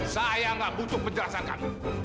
saya nggak butuh penjelasan